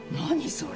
それ。